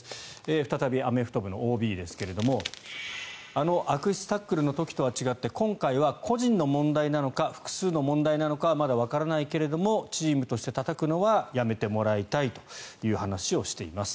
再びアメフト部のＯＢですがあの悪質タックルの時とは違って今回は個人の問題なのか複数の問題なのかはまだわからないけれどもチームとしてたたくのはやめてもらいたいという話をしています。